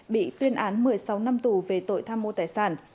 bị tuyên án một mươi sáu năm tù về tội tham mô tài sản